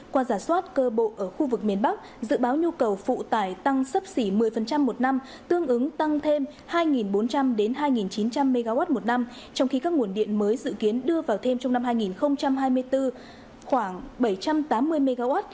qua giả soát cơ bộ ở khu vực miền bắc dự báo nhu cầu phụ tải tăng sấp xỉ một mươi một năm tương ứng tăng thêm hai bốn trăm linh hai chín trăm linh mw một năm trong khi các nguồn điện mới dự kiến đưa vào thêm trong năm hai nghìn hai mươi bốn khoảng bảy trăm tám mươi mw